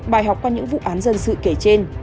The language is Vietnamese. bài học qua những vụ án dân sự kể trên